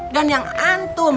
dan yang antum